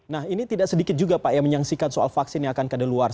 nah ini tidak sedikit juga pak yang menyaksikan soal vaksin yang akan keadaan luar